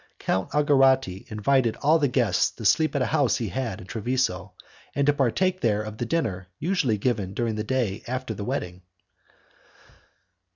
Count Algarotti invited all the guests to sleep at a house he had in Treviso, and to partake there of the dinner usually given the day after the wedding.